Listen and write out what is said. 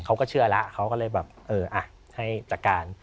เขาก็เชื่อแล้วเขาก็เลยแบบเอออ่ะให้จัดการ